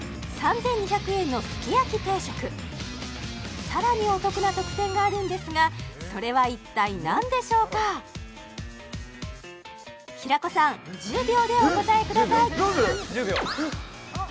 ３２００円のすき焼定食さらにお得な特典があるんですがそれは一体何でしょうか平子さん１０秒でお答えください